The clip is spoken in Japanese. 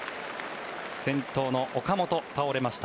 先頭の岡本倒れました。